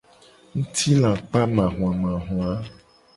Ngutilakpamahuamahua.